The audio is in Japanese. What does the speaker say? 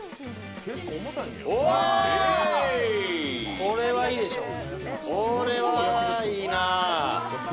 これはいいでしょう。